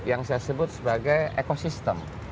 yang saya sebut sebagai ekosistem